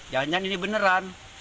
jangan jangan ini beneran